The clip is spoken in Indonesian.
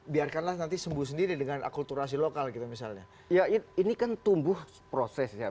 biarkanlah nanti sembuh sendiri dengan akulturasi lokal gitu misalnya ya ini kan tumbuh prosesnya